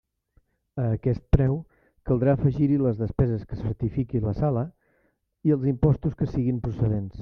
A aquest preu, caldrà afegir-hi les despeses que certifiqui la sala i els impostos que siguin procedents.